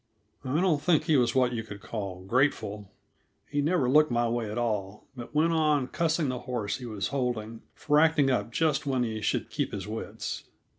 I don't think he was what you could call grateful; he never looked my way at all, but went on cussing the horse he was holding, for acting up just when he should keep his wits.